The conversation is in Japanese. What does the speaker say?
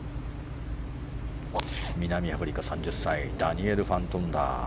南アフリカ、３０歳ダニエル・ファントンダー。